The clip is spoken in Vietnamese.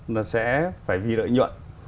nó sẽ phải vì lợi nhuận